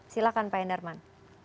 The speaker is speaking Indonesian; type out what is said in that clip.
silahkan pak enderman